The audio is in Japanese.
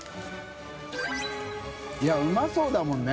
いうまそうだもんね。